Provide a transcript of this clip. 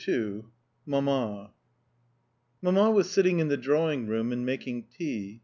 II MAMMA Mamma was sitting in the drawing room and making tea.